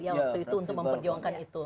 ya waktu itu untuk memperjuangkan itu